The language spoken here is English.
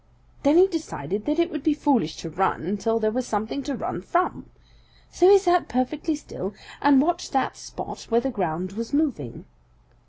Then he decided that it would be foolish to run until there was something to run from. So he sat perfectly still and watched that spot where the ground was moving.